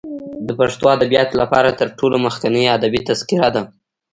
د پښتو ادبیاتو لپاره تر ټولو مخکنۍ ادبي تذکره ده.